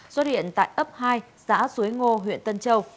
xuất hiện tại ấp hai xã suối ngô huyện tân châu